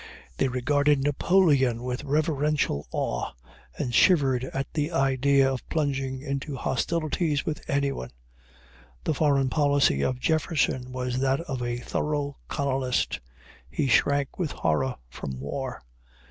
They regarded Napoleon with reverential awe, and shivered at the idea of plunging into hostilities with anyone. The foreign policy of Jefferson was that of a thorough colonist. He shrank with horror from war.